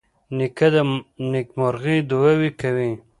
نیکه د نیکمرغۍ دعاوې کوي.